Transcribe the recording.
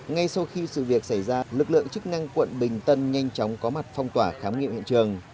ngay sau khi sự việc xảy ra lực lượng chức năng quận bình tân nhanh chóng có mặt phong tỏa khám nghiệm hiện trường